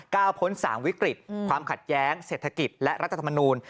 พ้น๓วิกฤตความขัดแย้งเศรษฐกิจและรัฐธรรมนูล